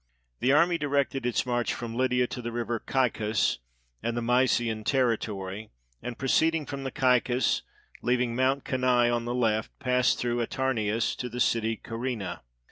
The army directed its march from Lydia to the river Caicus and the Mysian territory; and proceeding from the Caicus, leaving Mount Canae on the left, passed through Atarneus to the city Carina.